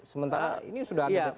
sementara ini sudah ada